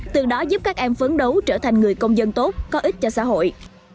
từ đó giúp các em phấn đấu trở thành người công dân tốt có ích cho xã hội